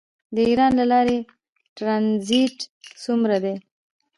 د ایران له لارې ټرانزیټ څومره دی؟